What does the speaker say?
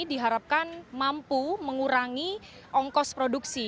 diharapkan mampu mengurangi ongkos produksi